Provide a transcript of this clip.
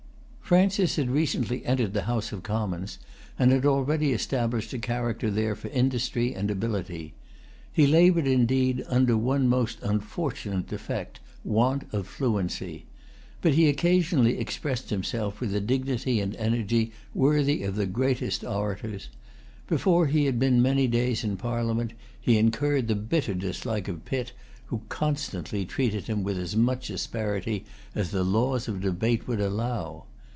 Francis had recently entered the House of Commons, and had already established a character there for industry and ability. He labored indeed under one most unfortunate defect, want of fluency. But he occasionally expressed himself with a dignity and energy worthy of the greatest orators. Before he had been many days in Parliament, he incurred the bitter dislike of Pitt, who constantly treated him with as much asperity as the laws of debate would allow.